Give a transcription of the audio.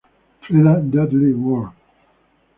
Freda Dudley Ward".